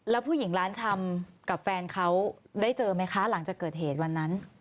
แล้วผู้หญิงร้านชำกับแฟนเขาได้เจอไหมคะหลังจากเกิดเหตุวันนั้น